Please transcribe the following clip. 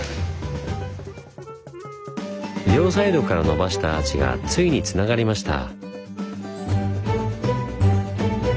両サイドからのばしたアーチがついにつながりました。